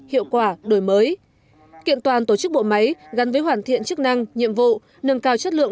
hiệu quả đổi mới kiện toàn tổ chức bộ máy gắn với hoàn thiện chức năng nhiệm vụ nâng cao chất lượng